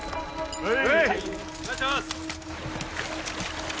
はい！